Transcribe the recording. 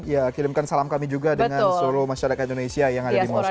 ya kirimkan salam kami juga dengan seluruh masyarakat indonesia yang ada di monas